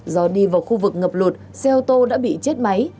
do đi vào khu vực ngập lụt xe ô tô đã bị chết máy